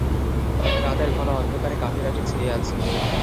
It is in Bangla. রাতের ঘন অন্ধকার কাফেলাটি ছেয়ে আছে।